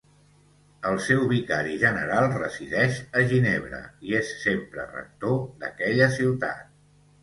El seu vicari general resideix a Ginebra, i és sempre rector d'aquella ciutat.